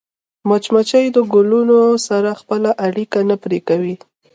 مچمچۍ د ګلونو سره خپله اړیکه نه پرې کوي